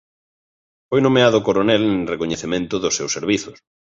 Foi nomeado coronel en recoñecemento dos seus servizos.